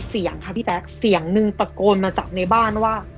เสียงค่ะพี่แจ๊คเสียงนึงตะโกนมาจากในบ้านว่า